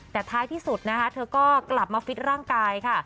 แต่ท้ายที่สุดนะคะเธอก็กลับมาฟิตร่างกายค่ะ